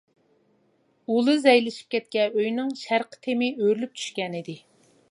ئۇلى زەيلىشىپ كەتكەن ئۆينىڭ شەرقىي تېمى ئۆرۈلۈپ چۈشكەنىدى.